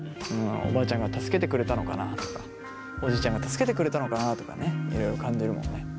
おばあちゃんが助けてくれたのかなとかおじいちゃんが助けてくれたのかなとかねいろいろ感じるもんね。